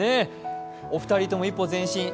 お二人とも一歩前進。